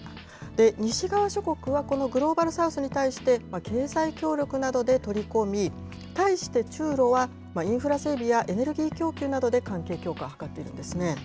西側諸国はこのグローバル・サウスに対して、経済協力などで取り込み、対して中ロはインフラ整備やエネルギー供給などで、関係強化を図っているんですね。